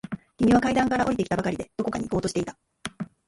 君は階段から下りてきたばかりで、どこかに行こうとしていた。